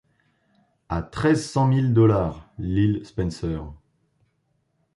À treize cent mille dollars l’île Spencer!